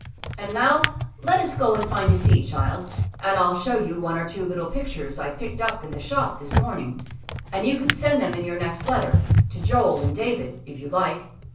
And now let us go and find a seat, child, and I'll show you one or two little pictures I picked up in the shop this morning; and you can send them in your next letter, to Joel and David, if you like."